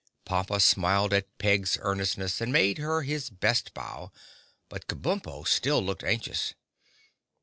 Pompa smiled at Peg's earnestness and made her his best bow but Kabumpo still looked anxious.